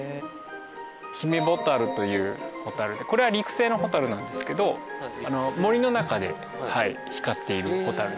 ヒメボタルというホタルでこれは陸生のホタルなんですけど森の中で光っているホタルですね。